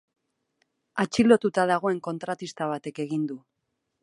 Atxilotuta dagoen kontratista batek egin du.